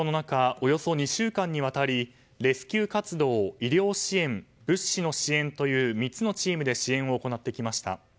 およそ２週間にわたりレスキュー活動医療支援、物資の支援という３つのチームで支援を行ってきました。